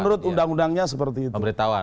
menurut undang undangnya seperti itu pemberitahuan